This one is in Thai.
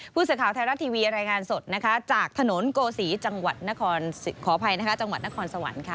ผู้เสื้อข่าวแท้รัฐทีวีรายงานสดจากถนนโกศีจังหวัดนครสวรรค์